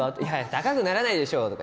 高くならないでしょう。